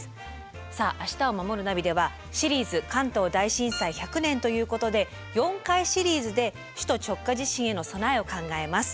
さあ「明日をまもるナビ」では「シリーズ関東大震災１００年」ということで４回シリーズで首都直下地震への備えを考えます。